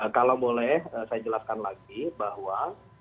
kalau boleh saya jelaskan lagi bahwa